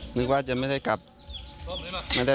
ปลาส้มกลับมาถึงบ้านโอ้โหดีใจมาก